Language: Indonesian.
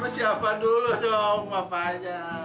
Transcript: siapa dulu dong apa aja